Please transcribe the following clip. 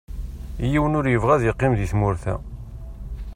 Yiwen ur yebɣi ad yeqqim di tmurt-a.